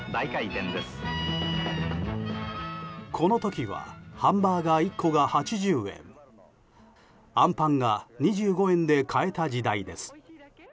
この時はハンバーガー１個が８０円。あんぱんが２５円で買えた時代です。